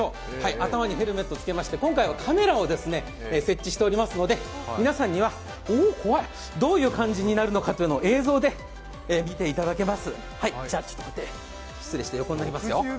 頭にヘルメット着けまして今回頭にカメラを設置しておりますので、皆さんには、どういう感じなるのかを映像で見ていただけます。